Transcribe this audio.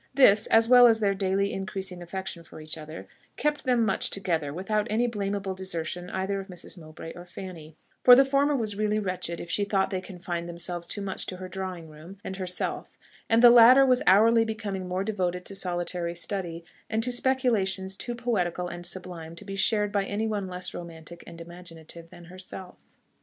This, as well as their daily increasing affection for each other, kept them much together, without any blameable desertion either of Mrs. Mowbray or Fanny: for the former was really wretched if she thought they confined themselves too much to her drawing room and herself; and the latter was hourly becoming more devoted to solitary study, and to speculations too poetical and sublime to be shared by any one less romantic and imaginative than herself.